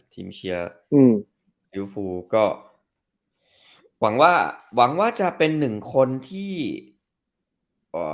อื้มอื้อพูก็หวังว่าหวังว่าจะเป็นหนึ่งคนที่เอ่อ